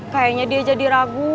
kayanya dia jadi ragu